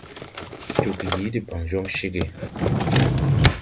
Joge yii debaŋ jɔŋ cege.